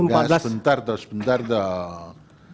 nggak sebentar dong sebentar dong